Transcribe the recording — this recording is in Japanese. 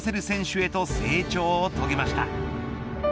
先週へと成長を遂げました。